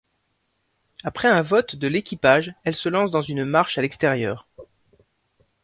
Après un vote de l'équipage, elle se lance dans une marche à l'extérieur.